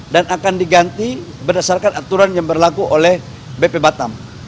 dan akan diganti berdasarkan aturan yang berlaku oleh bp batam